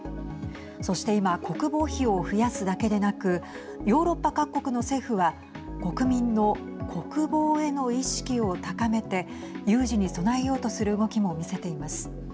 そして今国防費を増やすだけでなくヨーロッパ各国の政府は国民の国防への意識を高めて有事に備えようとする動きも見せています。